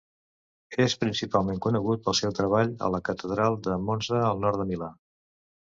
És principalment conegut pel seu treball a la catedral de Monza al nord de Milà.